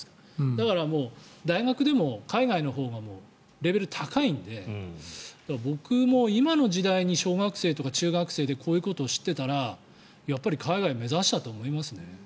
だからもう大学でも海外のほうがレベル高いので、僕も今の時代に小学生とか中学生でこういうことを知っていたらやっぱり海外を目指したと思いますね。